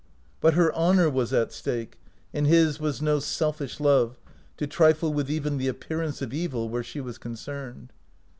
But her honor was at stake, and his was no selfish love, to trifle with even the appearance of evil where she was concerned.